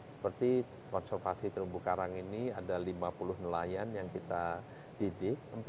seperti konservasi terumbu karang ini ada lima puluh nelayan yang kita didik